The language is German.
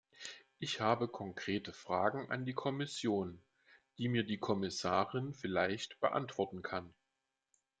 Ich habe konkrete Fragen an die Kommission, die mir die Kommissarin vielleicht beantworten kann.